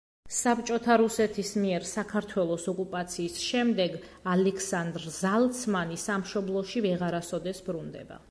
საბჭოთა რუსეთის მიერ საქართველოს ოკუპაციის შემდეგ ალექსანდრ ზალცმანი სამშობლოში ვეღარასოდეს ბრუნდება.